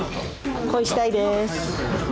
恋したいです。